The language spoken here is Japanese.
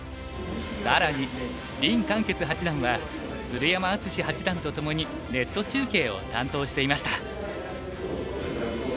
更に林漢傑八段は鶴山淳志八段とともにネット中継を担当していました。